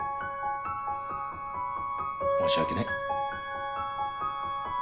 申し訳ない。